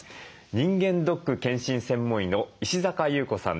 人間ドック健診専門医の石坂裕子さんです。